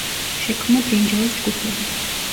შექმნა ბრინჯაოს ჯგუფები.